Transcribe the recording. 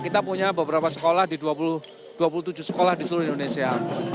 kita punya beberapa sekolah di dua puluh tujuh sekolah di seluruh indonesia